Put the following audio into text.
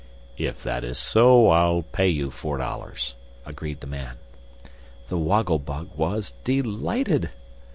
"If that is so, I'll pay you four dollars," agreed the man. The Woggle Bug was delighted.